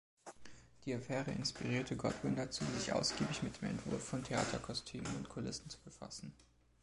Die Affäre inspirierte Godwin dazu, sich ausgiebig mit dem Entwurf von Theaterkostümen und -kulissen zu befassen.